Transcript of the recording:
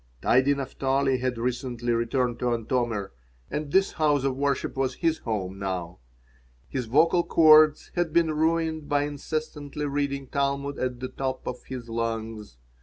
Tidy Naphtali had recently returned to Antomir, and this house of worship was his home now. His vocal cords had been ruined by incessantly reading Talmud at the top of his lungs.